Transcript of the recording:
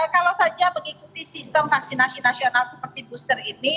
kalau saja mengikuti sistem vaksinasi nasional seperti booster ini